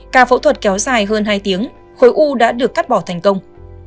ca phẫu thuật kéo dài hơn hai tiếng khối u đã được cắt bỏ thành công